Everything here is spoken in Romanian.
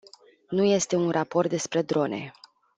Nu este un raport despre drone.